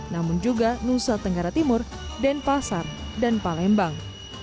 namun juga nusa tenggara timur denpasar dan palembang